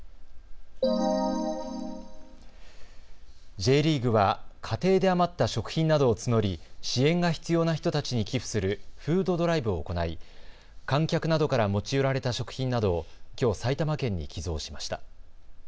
Ｊリーグは家庭で余った食品などを募り支援が必要な人たちに寄付するフードドライブを行い観客などから持ち寄られた食品などをきょう埼玉県に寄贈しました。